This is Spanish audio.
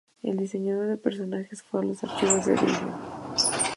El diseño de personajes fue a los archivos de Disney.